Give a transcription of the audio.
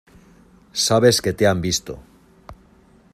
sabes que te han visto.